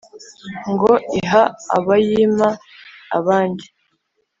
ngo:« iha aba yima abandi.»